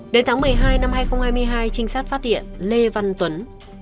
đến tháng một mươi hai năm hai nghìn hai mươi hai trinh sát phát hiện lê văn tuấn